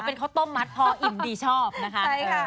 เป็นข้าวต้มมัดพออิ่มดีชอบนะคะ